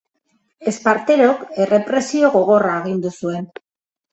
Esparterok errepresio gogorra agindu zuen.